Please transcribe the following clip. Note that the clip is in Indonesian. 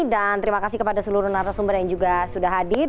dan terima kasih kepada seluruh narasumber yang juga sudah hadir